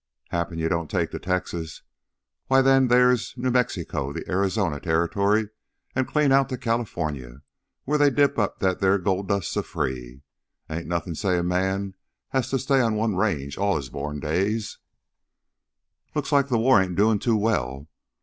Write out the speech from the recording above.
Happen you don't take to Texas, why, theah's New Mexico, the Arizona territory ... clean out to California, wheah they dip up that theah gold dust so free. Ain't nothin' sayin' a man has to stay on one range all his born days " "Looks like the war ain't doin' too well."